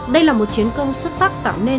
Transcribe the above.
đây là một chiến công xuất sắc tạo nên